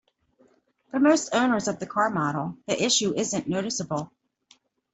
For most owners of the car model, the issue isn't noticeable.